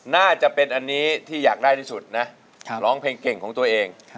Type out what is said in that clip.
น่าจะเป็นอันนี้ที่อยากได้ที่สุดนะร้องเพลงเก่งของตัวเอง